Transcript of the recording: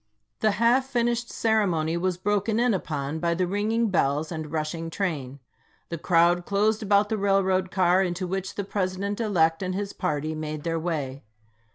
The half finished ceremony was broken in upon by the ringing bells and rushing train. The crowd closed about the railroad car into which the Pres ident elect and his party1 made their way.